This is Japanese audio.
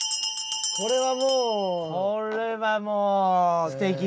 これはもう。